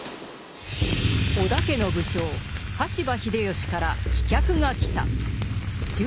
織田家の武将羽柴秀吉から飛脚が来た。